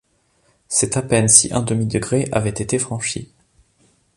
c’est à peine si un demi-degré avait été franchi.